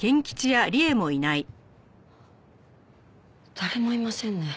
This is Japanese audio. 誰もいませんね。